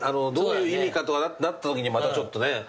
どういう意味かとなったときにまたちょっとね。